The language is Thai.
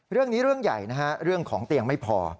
เรื่องนี้เรื่องใหญ่นะฮะเรื่องของเตียงไม่พอ